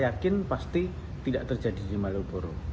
saya yakin pasti tidak terjadi di malioboro